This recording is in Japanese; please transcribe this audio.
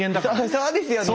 そうですよね。